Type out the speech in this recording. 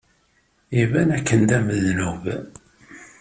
Iban dakken d amednub.